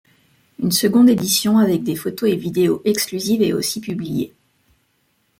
Une seconde édition avec des photos et vidéos exclusives et aussi publiée.